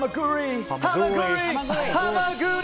ハマグリ！